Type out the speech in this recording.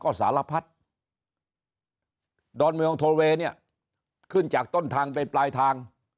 ก็สารพัดดอนเมืองโทเวย์เนี่ยขึ้นจากต้นทางไปปลายทาง